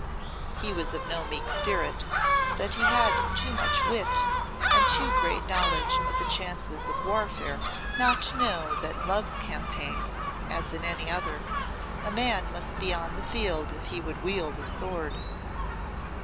He was of no meek spirit, but he had too much wit and too great knowledge of the chances of warfare not to know that in love's campaign, as in any other, a man must be on the field if he would wield his sword.